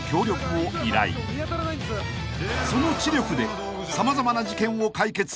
［その知力で様々な事件を解決］